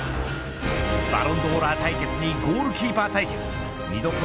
バロンドーラー対決にゴールキーパー対決見どころ